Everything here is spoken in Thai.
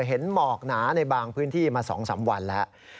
หมอกหนาในบางพื้นที่มา๒๓วันแล้ว